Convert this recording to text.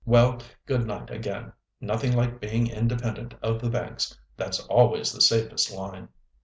Well, good night again! Nothing like being independent of the banks; that's always the safest line!"